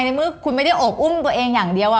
ในเมื่อคุณไม่ได้โอบอุ้มตัวเองอย่างเดียว